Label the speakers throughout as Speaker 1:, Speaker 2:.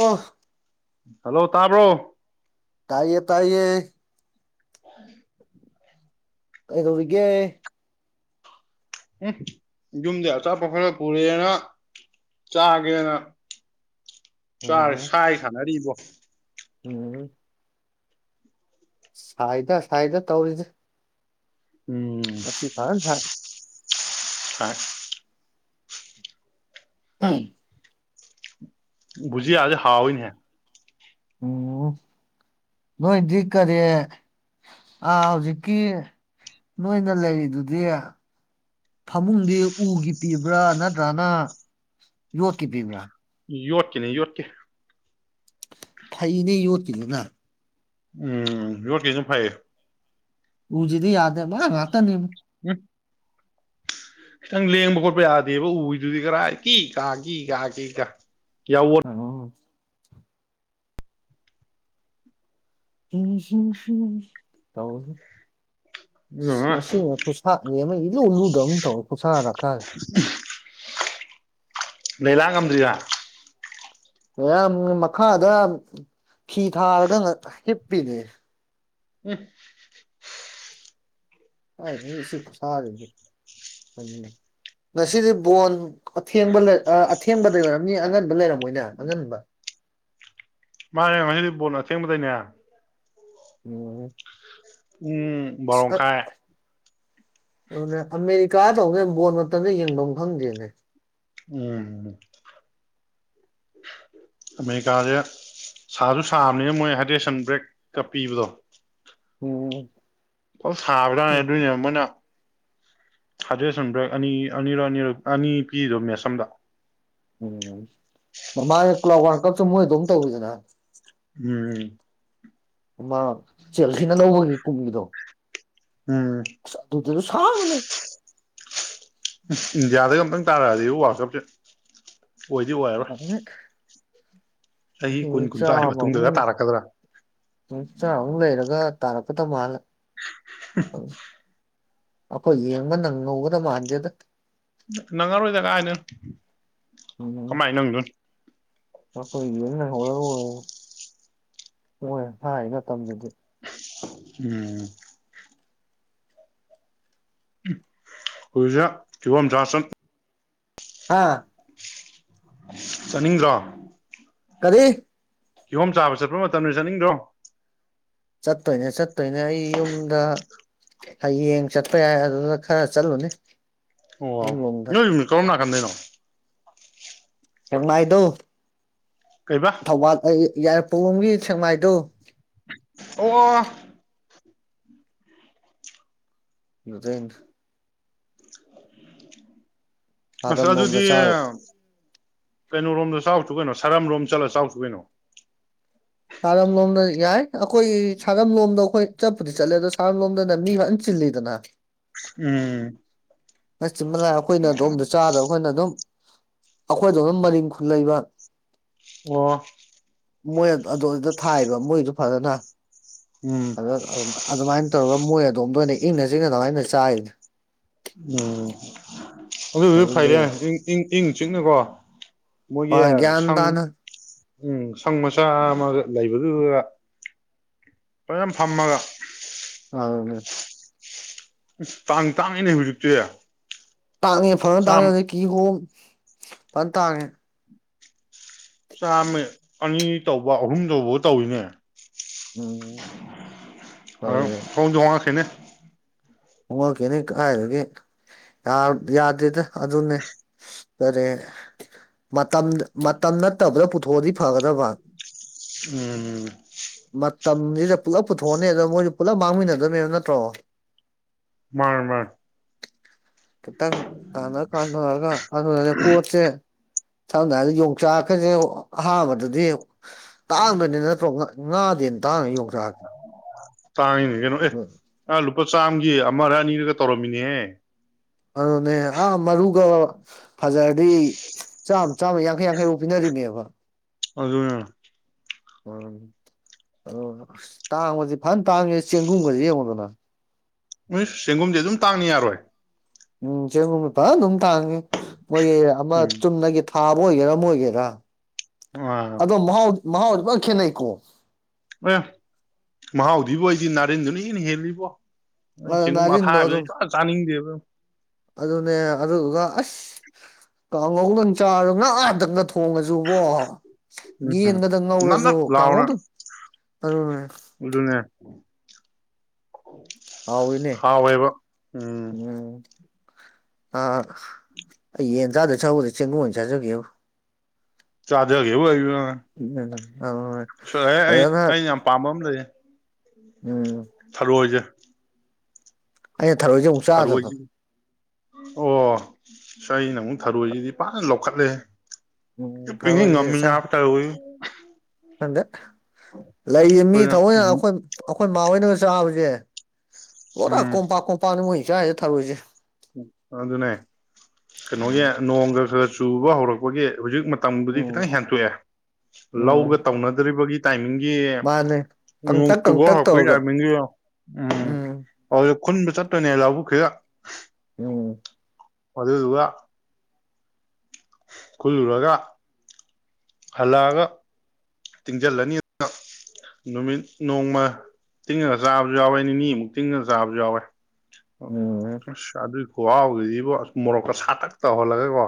Speaker 1: ꯋꯥꯐ
Speaker 2: hello ꯇꯥꯕ꯭ꯔꯣ
Speaker 1: ꯇꯥꯏꯌꯦ ꯇꯥꯏꯌꯦ
Speaker 2: [unintelligible]
Speaker 1: [unintelligible] ꯀꯩꯗꯧꯔꯤꯒꯦ
Speaker 2: ꯎꯝ ꯌꯨꯝꯗ ꯑꯆꯥꯄꯣꯠ ꯈꯔ ꯄꯨꯔꯦꯅ ꯆꯥꯒꯦꯅ
Speaker 1: ꯎꯝ
Speaker 2: ꯁꯥꯏ ꯁꯥꯟꯅꯔꯤꯕꯣ
Speaker 1: ꯎꯝ ꯁꯥꯏꯗ ꯁꯥꯏꯗ ꯇꯧꯔꯤꯗ
Speaker 2: ꯎꯝ
Speaker 1: ꯃꯁꯤꯁꯤ ꯐꯔ ꯁꯥꯔꯦ
Speaker 2: ꯁꯥꯏ
Speaker 1: ꯎꯝ
Speaker 2: ꯕꯨꯖꯤꯌꯥ ꯍꯥꯎꯏꯅ ꯍꯦ
Speaker 1: ꯎ ꯅꯣꯏꯗꯤ ꯀꯔꯤ ꯑ ꯍꯧꯖꯤꯛꯀꯤ ꯅꯣꯏꯅ ꯂꯩꯔꯤꯗꯨꯗꯤ ꯐꯃꯨꯡꯗꯤ ꯎꯒꯤ ꯄꯤꯕ꯭ꯔꯥ ꯅꯠꯇ꯭ꯔꯅ ꯌꯣꯠꯀꯤ ꯄꯤꯕ꯭ꯔꯥ
Speaker 2: ꯌꯣꯠꯀꯤꯅꯦ ꯌꯣꯠꯀꯦ
Speaker 1: ꯐꯩꯗꯤ ꯌꯨꯠ [unintelligible]
Speaker 2: ꯎꯝ ꯌꯣꯠꯀꯤ ꯐꯩꯌꯦ
Speaker 1: ꯎꯖꯤꯗꯤ ꯌꯥꯗꯦ ꯃꯥ ꯉꯇꯅꯤ
Speaker 2: [unintelligible] ꯈꯤꯇꯪ ꯂꯦꯡꯕ ꯈꯣꯠꯄ ꯌꯥꯗꯦꯕ ꯎꯗꯨꯗꯤ ꯀꯔꯥꯏ ꯀꯤ ꯀꯥꯈꯤ ꯀꯥꯈꯤ ꯀꯥ ꯌꯥꯋꯣꯠ
Speaker 1: [unintelligible] [unintelligible] ꯉꯁꯤꯅ ꯈꯨꯁꯥꯥꯛꯅꯦꯝꯃ ꯏꯂꯨꯜꯂꯨꯗꯧ ꯑꯃ ꯇꯧ ꯈꯨꯁꯥꯗ
Speaker 2: [unintelligible] [unintelligible]
Speaker 1: ꯌꯥꯝ ꯃꯈꯥꯗ ꯈꯤ ꯊꯥꯔꯒ ꯍꯤꯞꯄꯤꯅꯦ
Speaker 2: ꯎꯝ
Speaker 1: ꯍꯥꯏ ꯈꯨꯁ ꯉꯁꯤꯗꯤ ꯕꯣꯟ ꯑꯊꯦꯡꯕ ꯂꯩ ꯑꯊꯦꯡꯕꯗ ꯑꯣꯏꯔꯝꯅꯤ ꯑꯉꯟꯕ ꯂꯩꯔꯝꯃꯣꯏꯅꯦ ꯑꯉꯟꯕ
Speaker 2: ꯃꯥꯅꯦ ꯉꯁꯤꯗꯤ ꯕꯣꯠ ꯑꯊꯦꯡꯕꯗꯏꯅꯦ
Speaker 1: [unintelligible]
Speaker 2: [unintelligible] ꯎꯝ
Speaker 1: ꯑꯁ ꯑꯠ
Speaker 2: ꯕꯔꯣꯀꯥꯏ
Speaker 1: ꯑꯗꯨꯅꯦ ꯑꯃꯦꯔꯤꯀꯥꯗꯧꯗ ꯕꯣꯟ ꯃꯇꯝꯗ ꯌꯦꯡꯐꯝ ꯈꯪꯗꯦꯅꯦ
Speaker 2: ꯎꯝ ꯑꯃꯦꯔꯤꯀꯥꯁꯦ ꯁꯥꯁꯨ ꯁꯥꯕꯅꯦꯅ ꯃꯣꯏ ꯍꯥꯏꯗ꯭ꯔꯦꯁꯟ ꯕ꯭ꯔꯦꯛꯀ ꯄꯤꯕꯗꯣ
Speaker 1: ꯎꯝ
Speaker 2: [inaudible] ꯍꯥꯏꯗꯔꯦꯁꯟ ꯕ꯭ꯔꯦꯛ ꯑꯅꯤ ꯑꯅꯤꯔꯛ ꯑꯅꯤꯔꯛ ꯑꯅꯤ ꯄꯤꯗꯣ ꯃꯦꯁ ꯑꯃꯗ
Speaker 1: [inaudible]
Speaker 2: ꯎꯝ
Speaker 1: ꯑꯃꯥ ꯆꯦꯜꯁꯤꯅ ꯂꯧꯕꯒꯤ ꯀꯨꯝꯒꯤꯗꯣ
Speaker 2: ꯎꯝ
Speaker 1: [inaudible]
Speaker 2: ꯑꯨꯝ ꯏꯟꯗꯤꯌꯥꯗꯥꯒ ꯑꯝꯛꯇꯪ ꯇꯥꯔꯛꯑꯗꯤ ꯋꯥꯜꯀꯞꯁꯦ ꯑꯣꯏꯗꯤ ꯑꯣꯏꯔꯔꯣꯏ
Speaker 1: [inaudible] [inaudible] [inaudible]
Speaker 2: ꯆꯍꯤ ꯀꯨꯟ ꯀꯨꯟꯊ꯭ꯔꯥꯒꯤ ꯃꯇꯨꯡꯗꯒ ꯇꯥꯔꯛꯀꯗ꯭ꯔꯥ
Speaker 1: ꯑꯈꯣꯏ ꯌꯦꯡꯕ ꯅꯪ ꯉꯧꯒꯗ ꯃꯥꯟꯗꯦꯗ
Speaker 2: ꯅꯪꯉꯔꯣꯏꯗ ꯀꯥꯏꯗꯩꯅꯣ
Speaker 1: ꯎꯝ
Speaker 2: ꯀꯃꯥꯏ ꯅꯪꯗꯣꯏ
Speaker 1: [inaudible]
Speaker 2: ꯎꯝ [inaudible]
Speaker 1: ꯍꯥꯥ
Speaker 2: ꯆꯠꯅꯤꯡꯗ꯭ꯔꯣ
Speaker 1: ꯀꯔꯤ
Speaker 2: ꯀꯤꯍꯣꯝ ꯆꯥꯕ ꯆꯠꯄ ꯃꯇꯝꯅꯦ ꯆꯠꯅꯤꯡꯗ꯭ꯔꯣ
Speaker 1: ꯆꯠꯇꯣꯏꯅꯦ ꯆꯠꯇꯣꯏꯅꯦ ꯑꯩ ꯌꯨꯝꯗ ꯍꯌꯦꯡ ꯆꯠꯄ ꯌꯥꯏ ꯑꯗꯨꯗ ꯈꯔ ꯆꯠꯂꯨꯅꯤ
Speaker 2: ꯑꯣ
Speaker 1: ꯌꯨꯝꯂꯣꯝꯗ
Speaker 2: ꯅꯣꯏ ꯌꯨꯝ ꯀꯔꯣꯝ ꯅꯥꯀꯟꯗꯩꯅꯣ
Speaker 1: ꯁꯦꯛꯃꯥꯏꯗꯣ
Speaker 2: ꯀꯩꯕꯥ
Speaker 1: ꯊꯧꯕꯥꯜ ꯑꯩ ꯌꯥꯏ ꯄꯣꯝꯒꯤ ꯁꯦꯡꯃꯥꯏꯗꯨꯣ
Speaker 2: ꯑꯣ
Speaker 1: ꯌꯨ ꯊꯩꯅꯤ
Speaker 2: ꯑꯁ
Speaker 1: ꯁꯥꯔꯝ ꯂꯣꯝꯗ
Speaker 2: ꯑꯗꯨꯗꯤ
Speaker 1: ꯆꯥꯔꯨ
Speaker 2: ꯑꯝ ꯀꯩꯅꯣꯔꯣꯝꯗꯥ ꯆꯥꯎꯆꯣ ꯀꯩꯅꯣ ꯁꯥꯔꯝ ꯔꯣꯝꯗꯥ ꯆꯠꯂ ꯆꯥꯎꯆꯣ ꯀꯩꯅꯣ
Speaker 1: ꯁꯥꯔꯝꯂꯣꯝꯗ ꯌꯥꯏ ꯑꯩꯈꯣꯏ ꯁꯥꯔꯝꯂꯣꯝꯗ ꯑꯩꯈꯣꯏ ꯆꯠꯄꯨꯗꯤ ꯆꯠꯂꯦ ꯑꯗꯣ ꯁꯥꯔꯝꯂꯣꯝꯗꯅ ꯃꯤ ꯐꯖꯥꯅ ꯆꯤꯜꯂꯤꯗꯅ
Speaker 2: ꯎꯝ
Speaker 1: [inaudible] ꯑꯈꯣꯏ ꯗꯣꯝ ꯃꯔꯤꯡ ꯈꯨꯜ ꯂꯩꯕ
Speaker 2: ꯑꯣ
Speaker 1: ꯃꯣꯏ ꯑꯗꯨ ꯑꯗꯨꯗ ꯊꯥꯏꯕ ꯃꯣꯏꯗꯨ ꯐꯖꯅ
Speaker 2: ꯎꯝ
Speaker 1: ꯑꯗꯥ ꯑ ꯑꯗꯨꯃꯥꯏꯟ ꯇꯧꯔꯒ ꯃꯣꯏ ꯇ‌ꯣꯡꯕꯅꯦ ꯏꯪꯅ ꯆꯤꯛꯅ ꯑꯗꯨꯃꯥꯏꯅ ꯆꯥꯏꯅ‌ꯦ
Speaker 2: ꯑꯣ ꯑꯗꯨꯗꯨꯗꯤ
Speaker 1: ꯑꯗꯨꯗꯤ
Speaker 2: ꯐꯩꯅ‌ꯦ ꯏꯪ ꯆꯤꯛꯅꯀꯣ ꯃꯣꯏꯒꯤ
Speaker 1: ꯌꯥꯟ
Speaker 2: ꯁꯪ
Speaker 1: ꯇꯅ
Speaker 2: ꯎꯝ ꯁꯪ ꯃꯆꯥ ꯑꯃꯒ ꯂꯩꯕꯗꯨꯗꯨꯒ ꯐꯌꯥꯝ ꯐꯝꯃꯒ
Speaker 1: ꯑꯗꯨꯅꯦ
Speaker 2: ꯇꯥꯡ ꯇꯥꯡꯉꯅꯦ ꯍꯧꯖꯤꯛꯇꯤ
Speaker 1: ꯇꯥꯛꯉꯦ ꯐꯖꯅ
Speaker 2: ꯆꯥꯝ
Speaker 1: ꯇꯥꯛꯉ ꯑ ꯀꯤꯍꯣꯝ ꯄꯟꯇꯥꯡꯉꯦ
Speaker 2: ꯆꯥꯃ ꯑꯅꯤ ꯇꯧꯕ ꯑꯍꯨꯝ ꯇꯧꯕ ꯇꯧꯋꯤꯅꯦ
Speaker 1: ꯎꯝ
Speaker 2: ꯑ ꯍ‌ꯣꯡꯁꯨ ꯍ‌ꯣꯉꯛꯈꯤꯅꯤ
Speaker 1: ꯍꯣꯡꯉꯛꯀꯦꯅꯤ ꯀꯗꯥꯥꯏꯗꯒꯤꯦ ꯌꯥꯗꯦꯗ ꯑꯗꯨꯅꯦ ꯀꯔꯤ ꯃꯇꯝ ꯃꯇꯝ ꯅꯠꯇꯕꯗ ꯄꯨꯊꯣꯛꯑꯗꯤ ꯐꯒꯗꯕ
Speaker 2: ꯎꯝ ꯎꯝ
Speaker 1: ꯁꯤꯗ ꯄꯨꯂꯞ ꯄꯨꯊꯣꯛꯑꯅꯦ ꯑꯗ ꯃꯣꯏꯁꯨ ꯄꯨꯜꯂꯞ ꯃꯥꯡꯃꯤꯟꯅꯗꯕꯅꯦꯕ ꯅꯠꯇ꯭ꯔꯣ
Speaker 2: ꯃꯥ ꯃꯥ
Speaker 1: ꯈꯤꯇꯪ ꯀꯥꯟ ꯀꯔꯒ ꯄ‌ꯣꯠꯁ‌ꯦ ꯁꯝꯅ ꯍꯥꯏꯏꯗ ꯌꯣꯡꯆꯥꯛꯀꯁꯦ ꯑꯍꯥꯟꯕꯗꯗꯤ ꯇꯥꯡꯗ‌ꯣꯏꯅꯤ ꯅꯇ꯭ꯔ‌ꯣ ꯉꯥꯗꯩꯅ‌ꯦꯟ ꯇꯥꯡ ꯌꯣꯡꯆꯥꯛꯁꯤ
Speaker 2: ꯇꯥꯡꯉꯤꯅꯤ ꯀꯩꯅꯣ ꯑꯦ ꯂꯨꯞ ꯂꯨꯄꯥ ꯆꯥꯝꯃꯒꯤ ꯑꯃꯔ ꯑꯅꯤꯔꯒ ꯇꯧꯔꯝꯃꯤꯅꯤꯍ‌ꯦ
Speaker 1: ꯑꯗꯨꯅꯦ ꯑꯥ ꯃꯔꯨꯒ ꯐꯖꯔꯗꯤ ꯆꯥꯃ ꯌꯥꯡꯈꯩ ꯌꯥꯡꯈꯩꯐꯥꯎ ꯄꯤꯅꯔꯤꯅꯦꯕ
Speaker 2: ꯑꯗꯨ ꯑꯗꯨ
Speaker 1: ꯎꯝ ꯑ ꯇꯥꯡꯕꯕꯁꯤ ꯐꯅ ꯇꯥꯡꯉꯦ ꯆꯦꯡꯒꯨꯝꯒꯕꯁꯤ ꯌꯦꯡꯉꯨꯗꯅ
Speaker 2: ꯎꯝ ꯆ‌ꯩꯡꯒꯨꯝꯗꯤ ꯑꯗꯨꯝ ꯇꯥꯡꯅꯤ ꯌꯥꯔꯣꯏ
Speaker 1: ꯎꯝ ꯆꯦꯡꯒꯨꯝ ꯐꯥꯟꯗꯨꯝ ꯇꯥꯡꯏ ꯃꯣꯏ ꯑꯃ
Speaker 2: ꯎꯝ
Speaker 1: ꯆꯨꯝꯅꯒꯤ ꯊꯥꯕ ꯑ‌ꯣꯏꯒ‌ꯦꯔ ꯑꯃꯥ ꯑ‌ꯣꯏꯒ‌ꯦꯔ
Speaker 2: ꯑꯥ
Speaker 1: ꯑꯗꯣ ꯃꯥꯍꯥꯎ ꯃꯍꯥꯎ ꯄꯖꯟ ꯈꯦꯠꯅꯩꯀꯣ
Speaker 2: ꯑꯦ ꯃꯍꯥꯎꯗꯤꯕꯣ ꯑꯩꯗꯤ ꯅꯥꯔꯦꯟꯗꯨꯅ ꯏꯟꯅ ꯍꯦꯜꯂꯤꯕꯣ ꯅꯣꯏ ꯆꯦꯡꯒꯨꯝ
Speaker 1: ꯅꯥꯔꯤꯟꯗꯣ
Speaker 2: ꯑꯊꯥꯕ
Speaker 1: ꯑꯗꯨꯝ
Speaker 2: ꯁꯨꯛꯆꯥ ꯆꯥꯅꯤꯡꯗꯦꯕ
Speaker 1: ꯑꯗꯨꯅꯦ ꯑꯗꯨꯗꯨꯒ ꯑꯁ ꯀꯥꯡꯍꯧꯗꯪ ꯆꯥꯔꯣ ꯉꯥ ꯍꯟꯇꯪꯅ ꯊꯣꯡꯉꯁꯨꯕꯣ
Speaker 2: ꯎꯝ
Speaker 1: ꯌꯦꯟꯒꯗ
Speaker 2: ꯅꯞ
Speaker 1: ꯉꯧꯔꯁꯨ
Speaker 2: ꯅꯞ ꯂꯥꯎꯅ
Speaker 1: ꯀꯥꯡꯉꯧꯗꯪ ꯑꯗꯨꯅꯦ
Speaker 2: ꯑꯗꯨꯅꯦ
Speaker 1: ꯍꯥꯎꯔꯤꯅꯦ
Speaker 2: ꯍꯥꯎꯋꯦꯕ ꯎꯝ
Speaker 1: ꯑꯥ ꯑꯩ ꯌꯦꯟ ꯆꯥꯗ ꯆꯎꯗꯤ ꯆꯦꯡꯒꯨꯝ ꯑꯣꯏꯅ ꯆꯥꯖꯒꯦꯕꯨ
Speaker 2: ꯆꯥꯗꯔꯒꯦꯕ ꯍꯥꯏꯌꯨ
Speaker 1: ꯎꯝ ꯑ
Speaker 2: ꯁꯣꯏꯍ ꯑꯩ
Speaker 1: ꯐꯖꯅ
Speaker 2: ꯑꯩ ꯌꯥꯝ ꯄꯥꯝꯕ ꯑꯃ ꯂꯩꯌꯦ
Speaker 1: ꯎꯝ
Speaker 2: ꯊꯔꯣꯏꯁꯦ
Speaker 1: ꯍꯥꯏ ꯊꯔꯣꯏꯁꯦ ꯎꯝ ꯆꯥꯗ
Speaker 2: ꯊꯔꯣꯏꯁꯤ ꯑꯣ ꯁꯤ ꯑꯩꯅ ꯑꯃꯨꯛ ꯊꯔꯣꯏꯁꯤꯗꯤ ꯐꯅ ꯂꯧꯈꯠꯂꯦ
Speaker 1: ꯎꯝ
Speaker 2: ꯉꯃꯤꯅꯥ
Speaker 1: [unintelligible] ꯂꯩꯌꯦ ꯃꯤ
Speaker 2: ꯑꯩꯈꯣꯏꯅ
Speaker 1: ꯊꯑꯣꯏꯅ ꯑꯩꯈꯣꯏ ꯑꯩꯈꯣꯏ ꯃꯥꯏꯅ ꯆꯥꯎꯥꯕꯖꯦ ꯑꯣꯔ
Speaker 2: ꯎꯝ
Speaker 1: ꯀꯣꯝꯄꯥꯛ ꯀꯣꯝꯄꯛꯅ ꯃꯣꯏ ꯆꯥꯏ ꯊꯥꯔꯣꯏꯁꯦ
Speaker 2: ꯎ ꯑꯗꯨꯅꯦ ꯀꯩꯅꯣꯒꯤ
Speaker 1: ꯎꯝ
Speaker 2: ꯅꯣꯡꯒ ꯈꯔ ꯆꯨꯕ ꯍꯧꯔꯛꯄꯒꯤ ꯍꯧꯖꯤꯛ ꯃꯇꯝꯕꯨꯗꯤ
Speaker 1: ꯎꯝ
Speaker 2: ꯈꯤꯇꯪ ꯍꯦꯟꯇꯣꯛꯑꯦ ꯂꯧꯒ
Speaker 1: ꯎꯝ
Speaker 2: ꯇꯧꯅꯗ꯭ꯔꯤꯕꯒꯤ ꯇꯥꯏꯃꯤꯡ
Speaker 1: ꯃꯥꯅꯦ ꯀꯪꯇꯛ ꯀꯪꯇꯛ ꯇꯧꯔꯒ ꯎꯝ
Speaker 2: [unintelligible] ꯈꯨꯟꯕ ꯆꯠꯇꯄꯅꯦ ꯂꯧꯕꯛꯁꯤꯗ
Speaker 1: ꯎꯝ
Speaker 2: ꯃꯗꯨꯒꯥ ꯈꯨꯜꯂꯨꯔꯒ ꯍꯜꯂꯛꯑꯒ ꯇꯤꯡꯖꯜꯂꯅꯤ ꯅꯨꯃꯤꯠ ꯅꯣꯡꯃ ꯇꯤꯡꯉꯒ ꯆꯥꯕꯁꯨ ꯌꯥꯎꯋꯦ ꯅꯤꯅꯤꯃꯨꯛ ꯇꯤꯡꯉꯒ ꯆꯥꯕꯁꯨ ꯌꯥꯎꯋꯦ
Speaker 1: ꯎꯝ
Speaker 2: [unintelligible] ꯈꯨꯍꯥꯎꯒꯤꯁꯤꯕꯨ ꯑꯁ ꯃꯣꯔꯣꯛꯀ ꯁꯥꯇꯛ ꯇꯧꯍꯜꯂꯒꯦꯀꯣ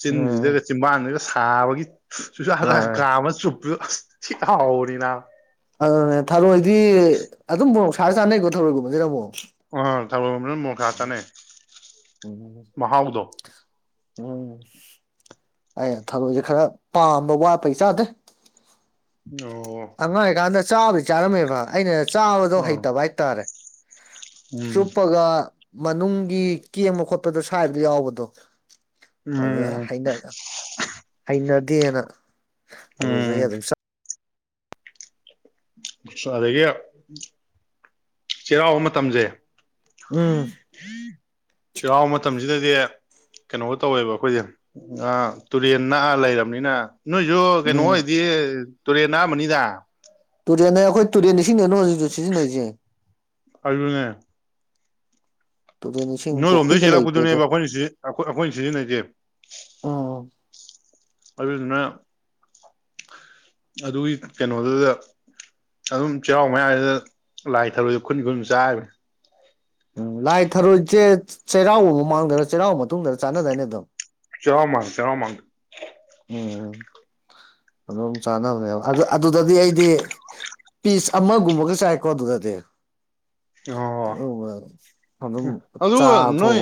Speaker 2: ꯆꯤꯟꯁꯤꯗꯒ
Speaker 1: ꯎꯝ
Speaker 2: ꯆꯤꯝꯕꯥꯗꯒ ꯁꯥꯕꯒꯤ ꯁꯨꯁꯗ
Speaker 1: ꯃꯥꯅꯦ
Speaker 2: ꯀꯥꯃ ꯆꯨꯞ ꯍꯥꯎꯅꯤꯅꯥ
Speaker 1: ꯑꯗꯨꯅꯦ ꯊꯔꯣꯏꯗꯤ ꯑꯗꯨꯝꯕꯨ ꯁꯥꯔ ꯆꯥꯅꯩꯀꯣ ꯊꯔꯣꯏꯒꯨꯝꯕꯁꯤꯅ ꯑꯃꯨꯛ
Speaker 2: ꯎ [unintelligible] ꯃꯥ ꯆꯅꯦ
Speaker 1: ꯎꯝ
Speaker 2: ꯃꯍꯥꯎꯗꯣ
Speaker 1: ꯎꯝ ꯑꯩ ꯊꯔꯣꯏꯁꯦ ꯈꯔ ꯄꯥꯝꯕ ꯋꯥꯠꯄꯩ ꯆꯥꯗꯦ
Speaker 2: ꯑꯣ
Speaker 1: ꯑꯉꯥꯡ ꯑꯣꯏꯔꯤꯀꯥꯟꯗ ꯆꯥꯕꯗꯤ ꯆꯥꯔ ꯝꯃꯦꯕ ꯑꯩꯅ ꯆꯥꯕꯗꯣ
Speaker 2: ꯑꯥ
Speaker 1: ꯍꯩꯇꯕ ꯍꯥꯏꯇꯥꯔꯦ
Speaker 2: ꯎꯝ
Speaker 1: ꯆꯣꯄꯒ ꯃꯅꯨꯡꯒꯤ ꯀꯦꯡꯕ ꯈꯣꯠꯄꯗꯣ ꯁ꯭ꯕꯗ ꯌꯥꯎꯕꯗꯣ ꯑꯗꯨ
Speaker 2: ꯎꯝ
Speaker 1: ꯍꯩꯅ ꯍꯩꯅ ꯑꯗꯨꯅ ꯑꯗꯨ ꯆꯍꯤ
Speaker 2: ꯎꯝ
Speaker 1: ꯑꯗꯨꯝ
Speaker 2: ꯑꯗꯒꯤ ꯆꯩꯔꯥꯎꯕ ꯃꯇꯝꯁꯦ
Speaker 1: ꯎꯝ
Speaker 2: ꯆꯔ ꯃ ꯃꯇꯝ ꯁꯤꯗꯗꯤ ꯀꯩꯅꯣꯒ ꯇꯧꯋꯦꯕ ꯑꯩꯈꯣꯏꯗꯤ ꯇꯨꯔꯦꯟ ꯅꯥꯑ ꯂꯩꯔꯕꯅꯤꯅ ꯅ ꯌ ꯀꯩꯅꯣ
Speaker 1: ꯎꯝ
Speaker 2: ꯏꯗꯤ ꯇꯨꯔꯦꯅꯥ ꯃꯅꯤꯗ
Speaker 1: ꯨꯔ ꯑꯩꯈꯣꯏ ꯇꯨꯔꯤꯅꯤ ꯁꯤꯅꯦꯅ ꯃꯖꯤ ꯁꯤꯁꯤ ꯅꯁꯦ
Speaker 2: ꯅꯣꯏ ꯂꯣꯝꯗꯩ
Speaker 1: ꯄꯨꯈ꯭ꯔꯤꯒ
Speaker 2: ꯆꯦꯜꯂꯛꯄꯗꯨꯅꯦꯕ
Speaker 1: ꯂꯩꯇꯦꯗ
Speaker 2: ꯑꯩꯈꯣꯏꯅ ꯑꯩꯈꯣꯏꯅ ꯁꯤꯖꯤꯟꯅꯁꯦ
Speaker 1: ꯎꯝ
Speaker 2: ꯑꯗꯨꯗꯨꯅ ꯑꯗꯨꯒꯤ ꯀꯩꯅꯣꯗꯨꯗ ꯑꯗꯨꯝ ꯆꯩꯔꯥꯎ ꯃꯌꯥꯏꯗꯨꯗ ꯂꯥꯏ ꯊꯔꯣꯏꯏꯗ ꯈꯨꯟ ꯈꯨꯟꯁꯨ ꯆꯥꯕꯅꯤ
Speaker 1: ꯎꯝ ꯂꯥꯏ ꯊꯔꯣꯏꯁꯦ ꯆꯩꯔꯥꯎꯕ ꯃꯃꯥꯡꯗ ꯆꯩꯔꯥꯎꯕ ꯃꯇꯨꯡꯗ ꯆꯥꯟꯅꯗꯏꯅꯦ ꯑꯗꯨꯝ
Speaker 2: ꯆꯔꯣꯃꯥꯡ ꯆꯔꯣꯃꯒ
Speaker 1: ꯎꯝ ꯑꯗꯨꯝ ꯆꯥꯅꯕꯅꯦꯕ ꯑꯗꯨ ꯑꯗꯨꯗꯗꯤ ꯑꯩꯗꯤ ꯄꯤꯁ ꯑꯃꯒꯨꯝꯕꯒ ꯆꯥꯏꯀꯣ ꯑꯗꯨꯗꯗꯤ ꯑ ꯋꯥ
Speaker 2: ꯑꯗꯨ ꯅꯣꯏ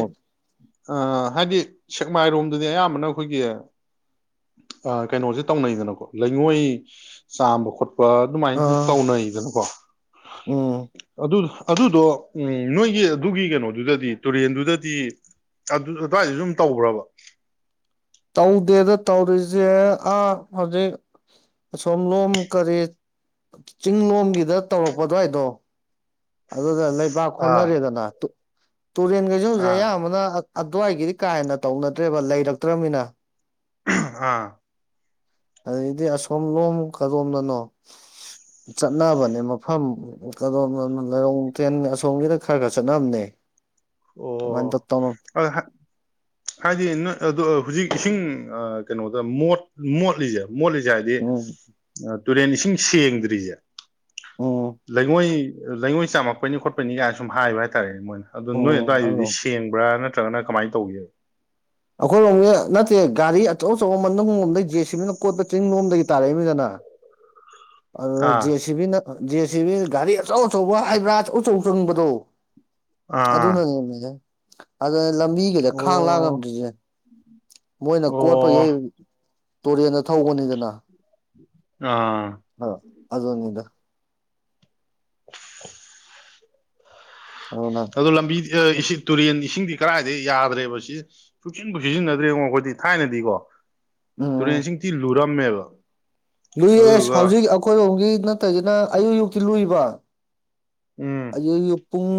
Speaker 2: ꯍꯥꯏꯗꯤ ꯁꯦꯛꯃꯥꯏꯔꯣꯝꯗꯗꯤ ꯑꯌꯥꯝꯕꯅ ꯑꯩꯈꯣꯏꯒꯤ ꯀꯩꯅꯣꯁꯦ ꯇꯧꯅꯩꯗꯅꯀꯣ ꯂꯩꯉꯣꯏ ꯆꯥꯝꯕ ꯈꯣꯠꯄ ꯑꯗꯨꯃꯥꯏꯅ ꯁ
Speaker 1: ꯑꯥ
Speaker 2: ꯇꯧꯅꯩꯗꯅꯀꯣ
Speaker 1: ꯎꯝ
Speaker 2: ꯑꯗꯨ ꯑꯗꯨ ꯑꯗꯨꯗꯣ ꯎꯝ ꯅꯣꯏꯒꯤ ꯑꯗꯨꯒꯤ ꯀꯩꯅꯣꯗꯨꯗꯗꯤ ꯇꯨꯔꯦꯟꯗꯨꯗꯗꯤ ꯑꯗꯨ ꯑꯗꯨꯋꯥꯏꯗ ꯑꯗꯨꯝ ꯇꯧꯕ꯭ꯔꯕ
Speaker 1: ꯇꯧꯗꯦꯗ ꯇꯧꯔꯤꯁꯦ ꯑꯥ ꯍꯧꯖꯤꯛ ꯑꯁꯣꯝ ꯂꯣꯝ ꯀꯔꯤ ꯆꯤꯡ ꯂꯣꯝꯒꯤꯗ ꯇꯧꯔꯛꯄꯗꯋꯥꯏꯗꯣ ꯑꯒ ꯂꯩꯕꯥꯛ
Speaker 2: ꯑꯥ
Speaker 1: ꯍꯣꯠꯅꯔꯦꯗꯅ ꯇꯨꯔꯦꯟ ꯀꯩꯁꯨ
Speaker 2: ꯑꯥ
Speaker 1: ꯍꯧꯖ ꯑꯃꯅ ꯑꯗꯨꯋꯥꯏꯒꯤꯗꯤ ꯀꯥ ꯍꯦꯟꯅ ꯇꯧꯅꯗ꯭ꯔꯦꯕ ꯂꯩꯔꯛꯇ꯭ꯔꯃꯤꯅ
Speaker 2: ꯑꯥ
Speaker 1: ꯑꯗꯨꯗꯤ ꯑꯁꯣꯝ ꯂꯣꯝ ꯀꯗꯣꯝꯗꯅꯣ ꯆꯠꯅꯕꯅꯦ ꯃꯐꯝ ꯀꯗꯣꯝꯗꯅꯣ ꯂꯔꯣꯡ ꯇ꯭ꯔꯦꯟ ꯑꯁꯣꯝꯒꯤꯗ ꯈꯔ ꯈꯔ ꯆꯠꯝꯅꯦ
Speaker 2: ꯑꯣ ꯍꯥꯏꯗꯤ ꯅ ꯑꯗꯨ ꯍꯧꯖꯤꯛ ꯏꯁꯤꯡ ꯀꯩꯅꯣꯗ ꯃꯣꯠ ꯃꯣꯠꯂꯤꯁꯦꯕ ꯃꯣꯂꯤꯖ ꯍꯥꯏꯗꯤ
Speaker 1: ꯎꯝ
Speaker 2: ꯑ ꯇꯨꯔꯦꯟ ꯏꯁꯤꯡ ꯁꯦꯡꯗ꯭ꯔꯤꯁꯦ
Speaker 1: ꯎꯝ
Speaker 2: ꯂꯩꯉꯣꯏ ꯂꯩꯉꯣꯏ ꯆꯥꯝꯃꯛꯄꯅꯤ ꯈꯣꯠꯄꯅꯤ ꯀꯥꯏꯅ ꯁꯨꯝ ꯍꯥꯏꯕ ꯍꯥꯏꯇꯥꯔꯦꯅꯦ ꯃꯣꯏꯅ ꯑꯗꯨꯗꯣ ꯅꯣꯏ
Speaker 1: ꯎꯝ ꯑꯗꯣ
Speaker 2: ꯑꯗꯨꯋꯥꯏꯗꯨꯗꯤ ꯁꯦꯡꯕ꯭ꯔꯥ ꯅꯠꯇ꯭ꯔ ꯅꯠꯇ꯭ꯔꯒꯅ ꯀꯃꯥꯏꯅ ꯇꯧꯒꯦꯕ
Speaker 1: ꯑꯩꯈꯣꯏꯔꯣꯝꯒꯤ ꯅꯠꯇꯦ ꯒꯥꯔꯤ ꯑꯆꯧ ꯑꯆꯧꯕ ꯃꯉ ꯦꯁꯃꯤꯅ ꯈꯨꯣꯏꯗ ꯀꯛ ꯆꯤꯡ ꯂꯣꯝꯗꯒꯤ ꯇꯥꯔꯛꯏꯃꯤꯁꯤꯅ
Speaker 2: ꯑꯥ
Speaker 1: ꯑꯗꯨ ꯦ ꯁꯤꯕꯤꯅ ꯖꯦ ꯁꯤ ꯕꯤ ꯘꯔꯤ ꯑꯆꯧ ꯑꯆꯧꯕ ꯍꯥꯏꯕ꯭ꯔꯥ ꯎꯆꯣꯡ ꯆꯪꯕꯗꯣ ꯑ
Speaker 2: ꯑꯥ
Speaker 1: ꯑꯗꯨꯅꯅꯦ ꯃꯖꯦ ꯑ ꯂꯝꯕꯤꯒꯤꯩꯗ ꯈꯥꯡ
Speaker 2: ꯑꯣ
Speaker 1: ꯂꯥꯡꯉꯝꯗ꯭ꯁꯅꯦ ꯃꯣꯏꯅ ꯀꯣꯠꯄꯒꯤ
Speaker 2: ꯑꯣ
Speaker 1: ꯇꯨꯔꯦꯟꯗ ꯊꯧꯕꯅꯤꯗꯅ
Speaker 2: ꯑ
Speaker 1: ꯍ ꯑ ꯏꯗ ꯑꯗꯨꯅ
Speaker 2: ꯑꯣ ꯂꯝꯕꯤ ꯏꯁꯤꯡ ꯇꯨꯔꯦꯟ ꯏꯁꯤꯡꯗꯤ ꯀꯗꯥꯏꯗ ꯌꯥꯗ꯭ꯔꯦꯕ ꯁꯤ ꯁꯨꯡꯆꯟꯕ ꯁꯤꯖꯤꯟꯅꯗ꯭ꯔꯦꯉꯣ ꯑꯩꯈꯣꯏꯗꯤ ꯊꯥꯏꯅꯗꯤꯀꯣ
Speaker 1: ꯎꯝ
Speaker 2: ꯇꯔꯦꯟꯁꯤꯡ ꯊꯤꯜ ꯂꯣꯏ ꯔꯝꯃꯦꯂꯣ
Speaker 1: ꯂꯨꯏꯌꯦ ꯑꯦꯁ ꯍꯧꯖꯤꯛ ꯑꯩꯈꯣꯏꯔꯣꯝꯒꯤ ꯅ ꯅꯠꯇꯔꯒꯥꯅ ꯑꯌꯨꯛ ꯑꯌꯨꯛꯇꯤ ꯂꯨꯏꯕ
Speaker 2: ꯎꯝ
Speaker 1: ꯑ ꯎꯨꯡ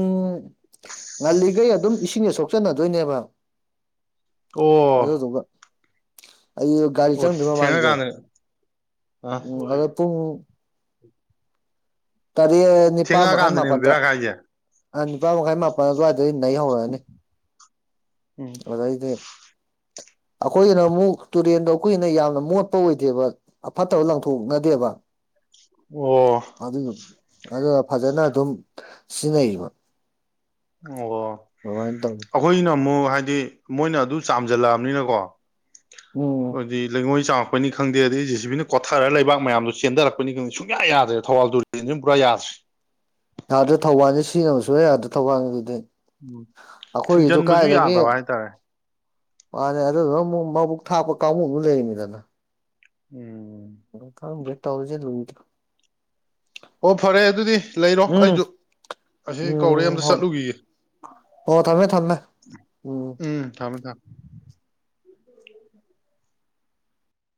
Speaker 1: ꯑꯜꯂꯤꯒꯩ ꯑꯗꯨꯝ ꯏꯁꯤꯡꯁ ꯁꯣꯛꯆꯟꯅꯗꯣꯏꯅꯦꯕ ꯑꯗꯨꯗꯨꯒ
Speaker 2: ꯑꯣ
Speaker 1: ꯑꯩ ꯒꯥꯔꯤ
Speaker 2: ꯑꯣ
Speaker 1: ꯆꯪꯗ꯭ꯔꯤ ꯃꯃꯥꯡꯖꯦ
Speaker 2: ꯊꯦꯡꯉꯀꯥꯟꯗ ꯑ
Speaker 1: ꯇꯔꯦꯠ ꯅꯤꯄꯥꯜ ꯃꯈꯥꯏ
Speaker 2: ꯊꯦꯡꯉꯛꯑꯀꯥꯟꯗꯅꯦꯕ
Speaker 1: ꯃꯥꯄꯜꯗ
Speaker 2: ꯕꯦꯔꯥ ꯀꯥꯏꯁꯦ
Speaker 1: ꯅꯤꯄꯥꯜ ꯃꯈꯥꯏ ꯃꯥꯄꯜ ꯑꯗꯨꯋꯥꯏꯗꯩ ꯅ ꯍꯧꯔꯛꯑꯅꯤ
Speaker 2: ꯎꯝ
Speaker 1: ꯑꯗꯨꯗꯩꯗꯤ ꯑꯩꯈꯣꯏꯒꯤꯅ ꯑꯃꯨꯛ ꯇꯨꯔꯦꯟꯗꯣ ꯑꯩꯈꯨꯏꯅ ꯌꯥꯝꯅ ꯃꯣꯠꯄ ꯑꯣꯏꯗꯦꯕ ꯑꯐꯠꯇꯕ ꯂꯪꯊꯣꯛꯅꯗꯦꯕ
Speaker 2: ꯑꯣ
Speaker 1: ꯑꯗꯨ ꯐꯖꯅ ꯑꯗꯨꯝ ꯁꯤꯖꯤꯟꯅꯩꯕ
Speaker 2: ꯑꯣ
Speaker 1: ꯑꯗꯨꯃꯥꯏꯅ ꯇꯧꯋꯤ
Speaker 2: ꯑꯩꯈꯣꯏꯅ ꯑꯃꯨꯛ ꯍꯥꯏꯗꯤ ꯃꯣꯏꯅ ꯑꯗꯨ ꯆꯥꯝꯖꯜꯂꯛꯑꯕꯅꯤꯅꯀꯣ
Speaker 1: ꯎꯝ
Speaker 2: ꯍꯧꯗꯤ ꯂꯩꯉꯣꯏ ꯆꯥꯛ ꯛꯄꯅꯤ ꯈꯪꯗꯦ ꯑꯗꯩ ꯖꯤ ꯁꯤꯕꯤ ꯀꯣꯊꯔꯒ ꯂꯩꯕꯥꯛ ꯃꯌꯥꯝꯗꯣ ꯆꯦꯟꯊꯔꯛꯄꯅꯤ ꯈꯪꯗꯦ ꯁꯨꯡꯌꯥ ꯌꯥꯗ꯭ꯔꯦ ꯊꯧꯕꯥꯜ ꯇꯨꯔꯦꯜꯁꯨ ꯄꯨꯔꯥ ꯌꯥꯗ꯭ꯔꯦ
Speaker 1: ꯌꯥꯗ ꯊꯧꯕꯥꯜꯁ ꯁꯤꯖꯤꯟꯅꯅꯕꯁꯨꯍ ꯌꯥꯥꯗ ꯊꯧꯕꯥꯜ ꯑꯗꯨꯗꯤ
Speaker 2: ꯎꯝ ꯊꯤꯡꯖꯤꯟꯕꯁꯨ ꯌꯥꯗꯕ ꯍꯥꯏꯇꯥꯔꯦ
Speaker 1: ꯃꯥꯅꯦ ꯑꯗꯨ ꯗꯨ ꯑꯃꯨꯛ ꯃꯕꯨꯛ ꯊꯥꯞꯄ ꯀꯥꯡꯕꯨ ꯑꯃ ꯂꯩꯔꯤꯅꯤꯗꯅ
Speaker 2: ꯎꯝ
Speaker 1: ꯀꯒꯦ ꯇꯥꯎꯁꯦ ꯂꯣꯏ
Speaker 2: ꯑꯣ ꯐꯔꯦ ꯑꯗꯨꯗꯤ ꯂꯩꯔꯣ
Speaker 1: ꯎꯝ
Speaker 2: ꯑꯩꯁꯨ ꯑꯁꯤ ꯀꯧꯔꯦ
Speaker 1: ꯎꯝ
Speaker 2: ꯑꯝꯇ
Speaker 1: ꯍꯣ
Speaker 2: ꯆꯠꯂꯨꯈꯤꯒꯦ
Speaker 1: ꯍꯣ ꯊꯝꯃꯦ ꯊꯝꯃꯦ
Speaker 2: ꯎꯝ ꯊꯝꯃꯦ ꯊꯝꯃꯦ